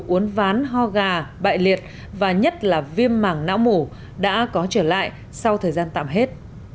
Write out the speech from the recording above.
uốn ván ho gà bại liệt và nhất là viêm mảng não mủ đã có trở lại sau thời gian tạm hết